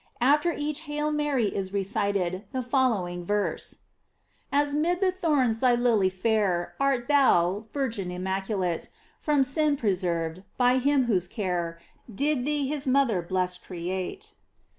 After each <;Hail Mary" is recited the following verse: As 'mid the thorns the lily fair Art thou, Virgin immaculate, From sin preserved, by him whose care Did thee his mother blest create.